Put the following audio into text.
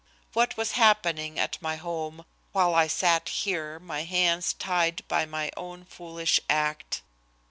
What was happening at my home while I sat here, my hands tied by my own foolish act?